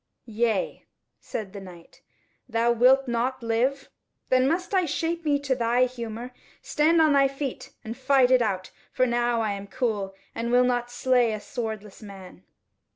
"Yea," said the Knight, "thou wilt not live? Then must I shape me to thy humour. Stand on thy feet and fight it out; for now I am cool I will not slay a swordless man."